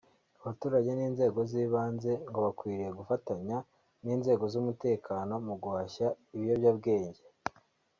Abaturage n’inzego z’ibanze ngo bakwiriye gufatanya n’inzego z’umutekano mu guhashya ibiyobyabwenge